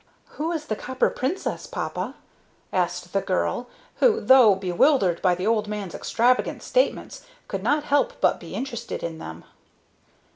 "Who is the Copper Princess, papa?" asked the girl, who, though bewildered by the old man's extravagant statements, could not help but be interested in them.